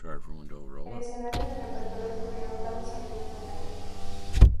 El escenario y el repertorio sufrieron cambios a lo largo de la gira.